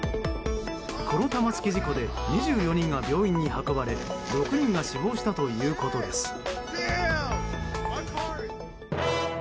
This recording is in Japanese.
この玉突き事故で２４人が病院に運ばれ６人が死亡したということです。